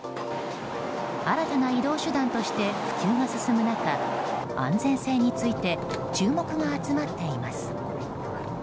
新たな移動手段として普及が進む中安全性について注目が集まっています。